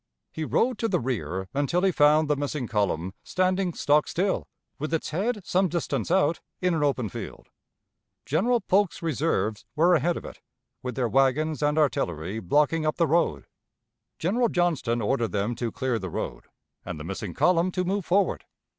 He rode to the rear until he found the missing column standing stock still, with its head some distance out in an open field. General Polk's reserves were ahead of it, with their wagons and artillery blocking up the road. General Johnston ordered them to clear the road, and the missing column to move forward.